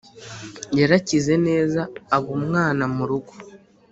yarakize neza abumwana murugo,